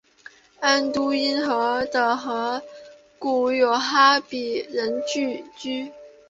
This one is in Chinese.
安都因河的河谷有哈比人聚居。